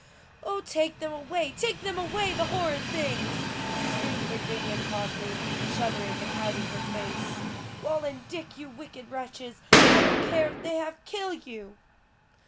"O, take them away! take them away, the horrid things!" screamed Virginia Conly, shuddering and hiding her face. "Wal and Dick, you wicked wretches, I don't care if they half kill you."